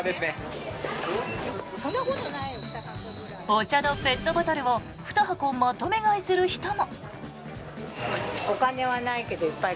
お茶のペットボトルを２箱まとめ買いする人も。